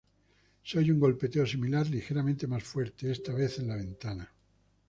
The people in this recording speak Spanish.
Se oye un golpeteo similar, ligeramente más fuerte, esta vez en la ventana.